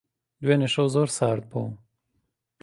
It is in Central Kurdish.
دوێنێ شەو زۆر سارد بوو.